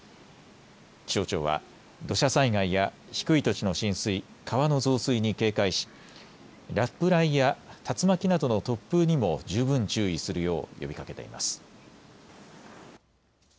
気象庁は土砂災害や低い土地の浸水、川の増水に警戒し、落雷や竜巻などの突風にも十分注意するよう呼びかけています。